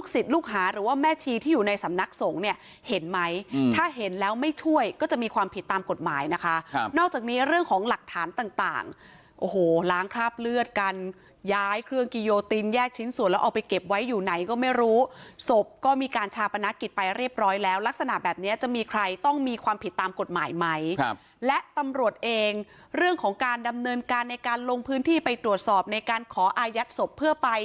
กฎหมายนะคะนอกจากนี้เรื่องของหลักฐานต่างโอ้โหล้างคราบเลือดกันย้ายเครื่องกิโยตินแยกชิ้นส่วนแล้วเอาไปเก็บไว้อยู่ไหนก็ไม่รู้ศพก็มีการชาปนักกิจไปเรียบร้อยแล้วลักษณะแบบนี้จะมีใครต้องมีความผิดตามกฎหมายไหมและตำรวจเองเรื่องของการดำเนินการในการลงพื้นที่ไปตรวจสอบในการขออายัดศพเพื่อไป